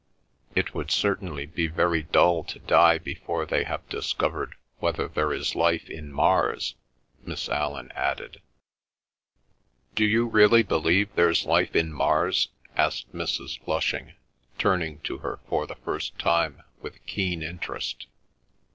"It would certainly be very dull to die before they have discovered whether there is life in Mars," Miss Allan added. "Do you really believe there's life in Mars?" asked Mrs. Flushing, turning to her for the first time with keen interest.